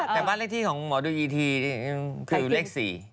แต่บ้านเลขที่ของหมอดูอีทีคือเลข๔